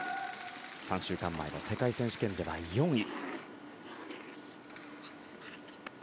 ３週間前の世界選手権では４位。